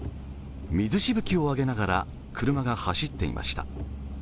水しぶきを上げながら車が走っていました。